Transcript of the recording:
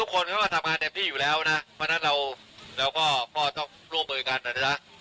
เพราะฉะนั้นเราก็พ่อต้องร่วมร่วมกันนะครับ